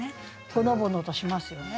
ほのぼのとしますよね。